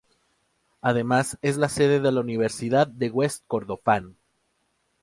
Además es la sede de la Universidad de West Kordofán.